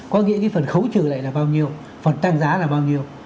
có nghĩa cái phần khấu trừ lại là bao nhiêu phần tăng giá là bao nhiêu